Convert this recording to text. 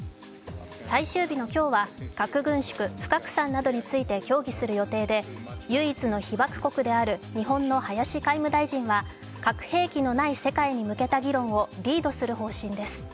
最終日の今日は、核軍縮・不拡散などについて協議する予定で唯一の被爆国である日本の林外務大臣は核兵器のない世界に向けた議論をリードする方針です。